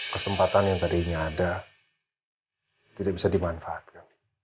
kesempatan yang tadinya ada tidak bisa dimanfaatkan